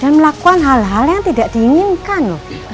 dan melakukan hal hal yang tidak diinginkan